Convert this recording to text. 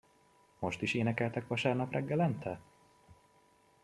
Most is énekeltek vasárnap reggelente?